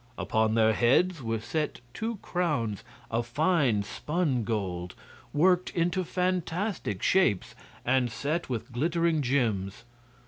Upon their heads were set two crowns of fine spun gold, worked into fantastic shapes and set with glittering gems.